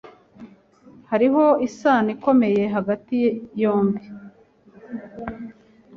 Hariho isano ikomeye hagati yombi.